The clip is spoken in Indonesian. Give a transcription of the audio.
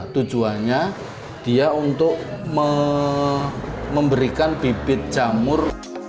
tujuannya dia untuk memberikan bibit jamur